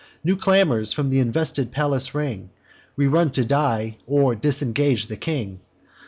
New clamours from th' invested palace ring: We run to die, or disengage the king.